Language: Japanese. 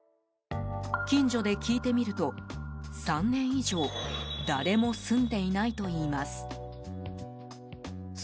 近所で聞いてみると３年以上誰も住んでいないといいます。